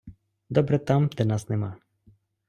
Добре там, де нас нема.